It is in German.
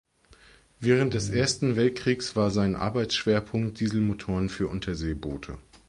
Während des Ersten Weltkriegs war sein Arbeitsschwerpunkt Dieselmotoren für Unterseeboote.